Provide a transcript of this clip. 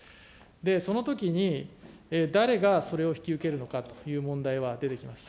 そのときに誰がそれを引き受けるのかという問題は出てきます。